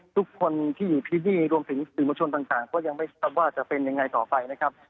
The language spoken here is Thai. ทุกคนที่อยู่ที่นี่รวมถึงสื่อมวลชนต่างก็ยังไม่ทราบว่าจะเป็นยังไงต่อไปนะครับ